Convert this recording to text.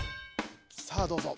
さあどうぞ。